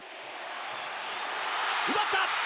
奪った！